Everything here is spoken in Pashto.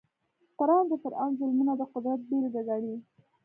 قران د فرعون ظلمونه د قدرت بېلګه ګڼي.